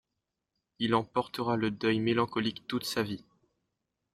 Il en portera le deuil mélancolique toute sa vie.